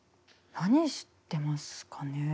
何してますかね。